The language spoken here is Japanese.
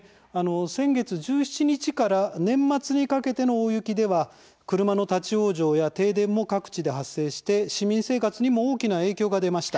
先月１７日から年末にかけての大雪では車の立往生や停電も各地で発生して、市民生活にも大きな影響が出ました。